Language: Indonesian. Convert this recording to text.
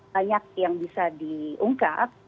banyak yang bisa diungkap